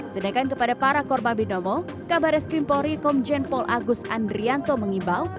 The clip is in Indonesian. sedangkan kepada para korban binomo kabar es krim pori komjen paul agus andrianto mengimbau